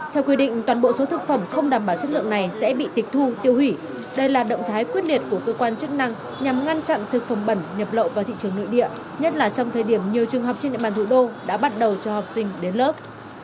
theo quy định toàn bộ số thực phẩm không đảm bảo chất lượng này sẽ bị tịch thu tiêu hủy đây là động thái quyết liệt của cơ quan chức năng nhằm ngăn chặn thực phẩm bẩn nhập lậu vào thị trường nội địa nhất là trong thời điểm nhiều trường học trên địa bàn thủ đô đã bắt đầu cho học sinh đến lớp